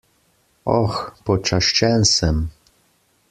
Oh... počaščen sem.